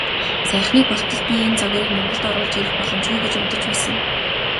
Саяхныг болтол би энэ загварыг Монголд оруулж ирэх боломжгүй гэж бодож байсан.